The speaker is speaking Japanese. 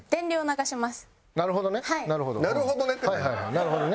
なるほどねなるほど。